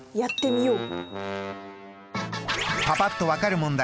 パパっと分かる問題